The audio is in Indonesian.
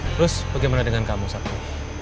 terus bagaimana dengan kamu saktion